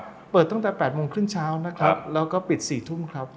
ร้านเปิดตั้งแต่๘โมงครึ่งเช้าแล้วก็ปิด๔ทุ่มครับ